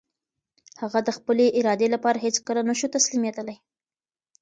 هغه د خپلې ارادې لپاره هېڅکله نه شو تسليمېدلی.